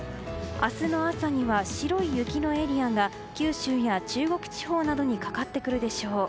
明日の朝には白い雪のエリアが九州や中国地方などにかかってくるでしょう。